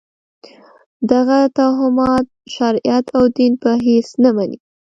دغه توهمات شریعت او دین په هېڅ نه مني.